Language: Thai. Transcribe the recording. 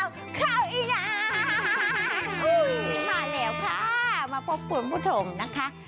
มาแล้วค่ะมาพบคุณผู้ชมนะคะ